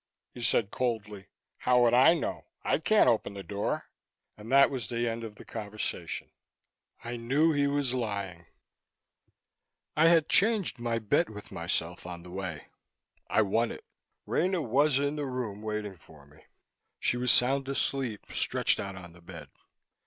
He said coldly, "How would I know? I can't open the door." And that was the end of the conversation. I knew he was lying. I had changed my bet with myself on the way. I won it. Rena was in the room waiting for me. She was sound asleep, stretched out on the bed.